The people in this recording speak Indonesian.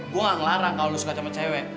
gue gak ngelarang kalau lu suka sama cewek